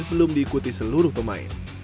belum diikuti seluruh pemain